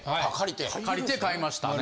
借りて買いましたね。